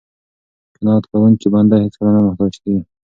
قناعت کوونکی بنده هېڅکله نه محتاج کیږي.